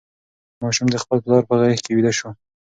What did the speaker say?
ماشوم د خپل پلار په غېږ کې ویده شو.